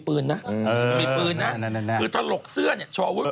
ปืนนะอืมมีปืนนะน่ะน่ะน่ะคือถลกเสื้อเนี่ยชออาวุธ